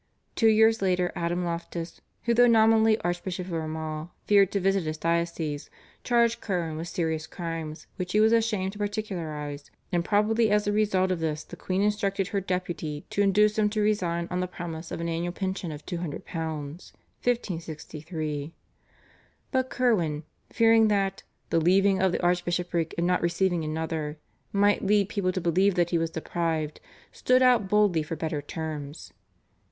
Two years later Adam Loftus, who though nominally Archbishop of Armagh feared to visit his diocese, charged Curwen with serious crimes which he was ashamed to particularise, and probably as a result of this the queen instructed her Deputy to induce him to resign on the promise of an annual pension of £200 (1563). But Curwen, fearing that "the leaving of the archbishopric and not receiving another" might lead people to believe that he was deprived, stood out boldly for better terms.